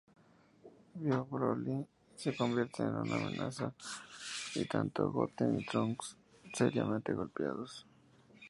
Bio-Broly se convierte en una amenaza, y tanto Goten y Trunks seriamente golpeados.